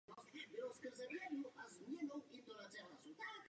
Pociťuje to každý z nás, včetně mne samotného.